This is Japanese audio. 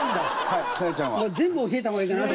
全部教えた方がいいかな。